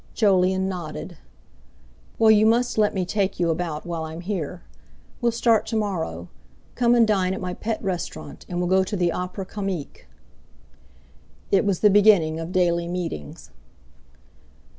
Jolyon nodded. "Well, you must let me take you about while I'm here. We'll start to morrow. Come and dine at my pet restaurant; and we'll go to the Opéra Comique." It was the beginning of daily meetings.